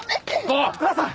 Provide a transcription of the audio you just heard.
お母さん。